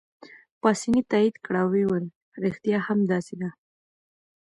پاسیني تایید کړه او ویې ویل: ریښتیا هم داسې ده.